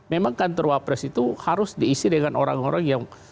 memang kantor wapres itu harus diisi dengan orang orang yang